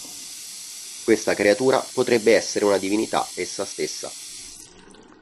Questa creatura potrebbe essere una divinità essa stessa.